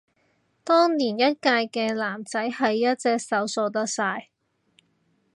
當年一屆嘅男仔係一隻手數得晒